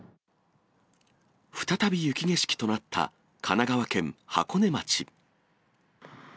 再び雪景色となった神奈川県箱根町。